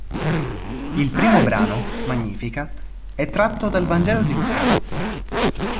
Il primo brano, "Magnificat", è tratto dal Vangelo di Luca.